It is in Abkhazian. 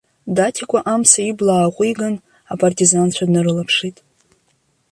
Даҭикәа амца ибла ааҟәиган, апартизанцәа днарылаԥшит.